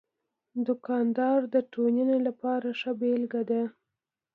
دوکاندار د ټولنې لپاره ښه بېلګه ده.